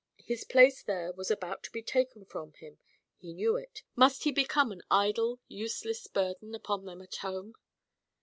His place there was about to be taken from him; he knew it. Must he become an idle, useless burden upon them at home?